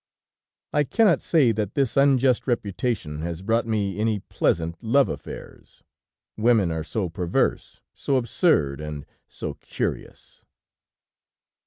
"I cannot say that this unjust reputation has brought me any pleasant love affairs. Women are so perverse, so absurd, and so curious!"